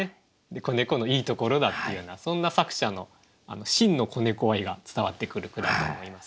子猫のいいところだっていうようなそんな作者の真の子猫愛が伝わってくる句だと思います。